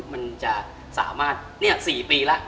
มันจะสามารถเนี่ย๔ปีละ